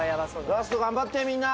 ラスト頑張ってみんな。